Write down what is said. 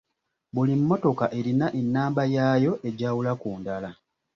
Buli mmotoka erina ennamba yaayo egyawula ku ndala.